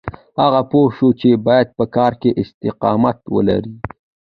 هغه پوه شو چې بايد په کار کې استقامت ولري.